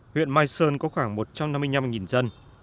huyện mai sơn có khoảng một trăm năm mươi năm dân